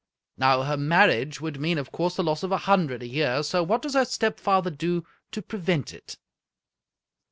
Now her marriage would mean, of course, the loss of a hundred a year, so what does her stepfather do to prevent it?